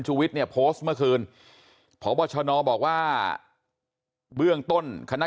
วิทย์เนี่ยโพสต์เมื่อคืนพบชนบอกว่าเบื้องต้นคณะ